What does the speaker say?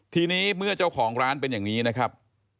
ทีนี้เมื่อเจ้าของร้านเป็นอย่างนี้นะครับ